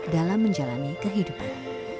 dalam menjalani kehidupan